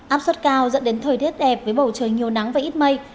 áp suất cao dẫn đến thời tiết đẹp với bầu trời nhiều nắng và ít mây